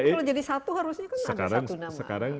kalau jadi satu harusnya kan ada satu nama